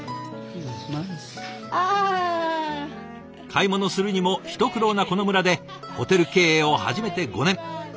買い物するにも一苦労なこの村でホテル経営を始めて５年。